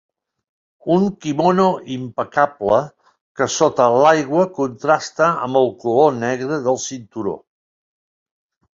Un quimono impecable, que sota l'aigua contrasta amb el color negre del cinturó.